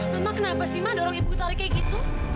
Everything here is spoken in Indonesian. mama kenapa sih ma dorong ibu tarik kayak gitu